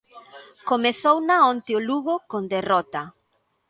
Comezouna onte o Lugo con derrota.